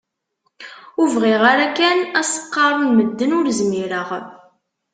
Ur bɣiɣ ara kan ad s-qqaren medden ur zmireɣ.